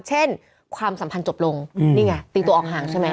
ความสัมพันธ์จบลงนี่ไงตีตัวออกห่างใช่ไหม